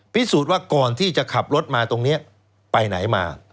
พิสูจน์ว่าก่อนที่จะขับรถมาตรงนี้ไปไหนมา